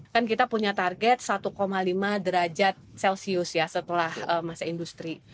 kan kita punya target satu lima derajat celcius ya setelah masa industri